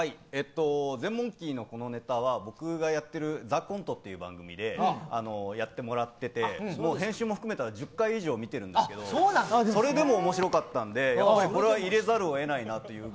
ゼンモンキーのこのネタは僕がやっている番組でやってもらっていて編集も含めたら１０回以上見てますけどそれでも面白かったんでこれは入れざるを得ないと。